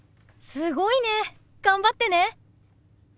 すごいね。頑張ってね！